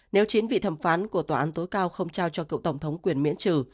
nếu chính vị thẩm phán của tòa án tối cao không trao cho cậu tổng thống quyền miễn trừ